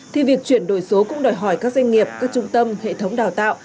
thì việc chuyển đổi số cũng đòi hỏi các doanh nghiệp các trung tâm hệ thống đào tạo